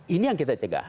ini yang kita cegah